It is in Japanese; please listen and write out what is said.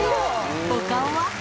お顔は？